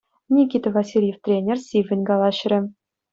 Никита Васильев тренер сиввӗн калаҫрӗ.